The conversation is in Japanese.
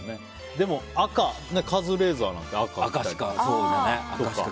でも、カズレーザーなんて赤とか。